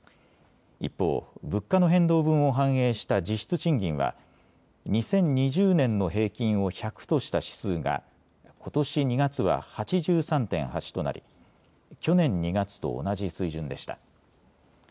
一方、物価の変動分を反映した実質賃金は２０２０年の平均を１００とした指数がことし２月は８３．８となり去年２月と同じ水準でした。